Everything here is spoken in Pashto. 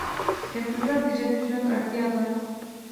کمپيوټر د جديد ژوند اړتياده.